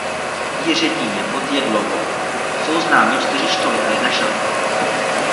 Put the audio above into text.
V Jiřetíně pod Jedlovou jsou známy čtyři štoly a jedna šachta.